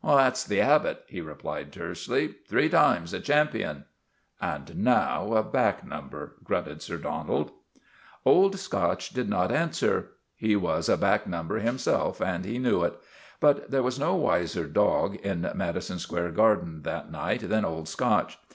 "That's The Abbot," he replied tersely, "three times a champion." " And now a back number," grunted Sir Donald. JUSTICE AT VALLEY BROOK 101 Old Scotch did not answer. He was a back num ber himself, and he knew it. But there was no wiser dog in Madison Square Garden that night than Old Scotch.